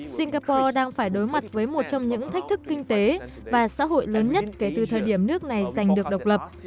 singapore đang phải đối mặt với một trong những thách thức kinh tế và xã hội lớn nhất kể từ thời điểm nước này giành được độc lập